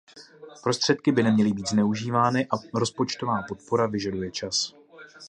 Prostředky by neměly být zneužívány a rozpočtová podpora vyžaduje čas.